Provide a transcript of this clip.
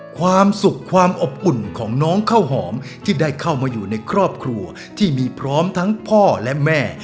ความสุขความอบอุ่นของน้องข้าวหอมที่ได้เข้ามาอยู่ในครอบครัวที่มีพร้อมทั้งพ่อและแม่